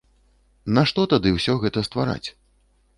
Нашто тады ўсё гэта ствараць?